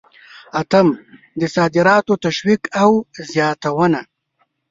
اتم: د صادراتو تشویق او زیاتونه.